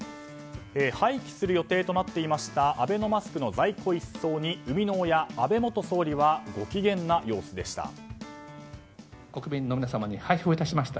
廃棄する予定となっていましたアベノマスクの在庫一掃に生みの親、安倍元総理はご機嫌な様子でした。